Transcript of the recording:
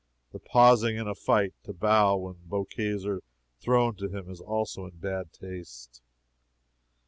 The pausing in a fight to bow when bouquets are thrown to him is also in bad taste.